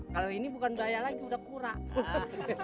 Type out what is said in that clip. kalau ini bukan bayak lagi sudah kurang